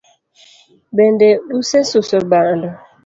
bende usesuso bando?